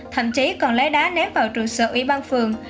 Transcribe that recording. thậm chí còn lấy đá ném vào trụ sở ủy ban phường